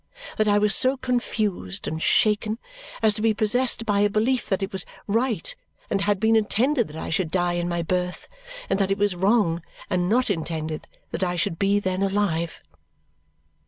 That I was so confused and shaken as to be possessed by a belief that it was right and had been intended that I should die in my birth, and that it was wrong and not intended that I should be then alive.